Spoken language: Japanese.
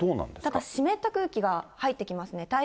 ただ湿った空気が入ってきますね。